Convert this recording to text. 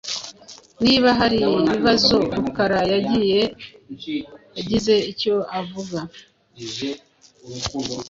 Niba haribibazo, Rukara yagize icyo avuga.